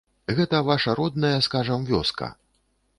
Гэта ваша родная, скажам, вёска.